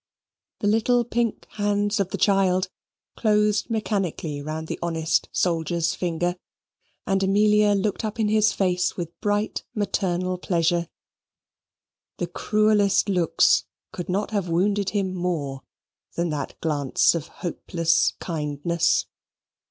The little pink hands of the child closed mechanically round the honest soldier's finger, and Amelia looked up in his face with bright maternal pleasure. The cruellest looks could not have wounded him more than that glance of hopeless kindness.